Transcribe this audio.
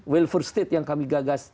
wilfersted yang kami gagas